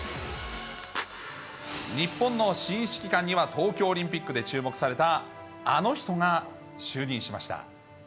日本の新指揮官には東京オリンピックで注目されたあの人が就任しました。